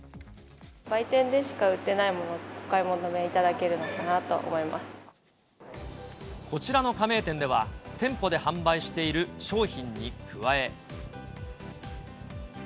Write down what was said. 売店でしか売ってないものもお買い求めいただけるのかなと思こちらの加盟店では、店舗で販売している商品に加え。